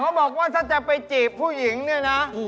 บอกว่าถ้าจะไปจีบผู้หญิงเนี่ยนะ